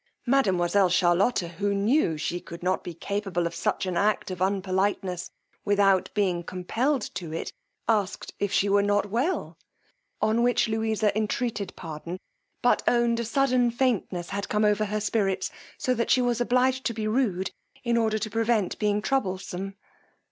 Mademoiselle Charlotta, who knew she could not be capable of such an act of unpoliteness, without being compelled to it, asked if she were not well: on which Louisa entreated pardon, but owned a sudden faintness had come over her spirits, so that she was obliged to be rude in order to prevent being troublesome.